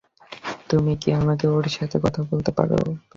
তুমি কি আমাকে ওর সাথে কথা বলতে পারবে?